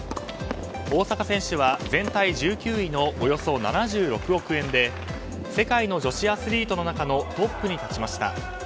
大坂選手は全体１９位のおよそ７６億円で世界の女子アスリートの中のトップに立ちました。